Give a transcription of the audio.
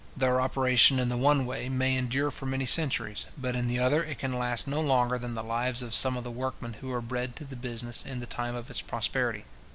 Their operation in the one way may endure for many centuries, but in the other it can last no longer than the lives of some of the workmen who were bred to the business in the time of its prosperity.